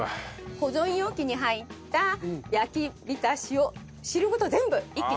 保存容器に入った焼き浸しを汁ごと全部一気に。